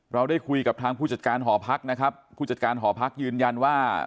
เราได้คุยกับทางผู้จัดการหอพักนะครับผู้จัดการหอพักยืนยันว่า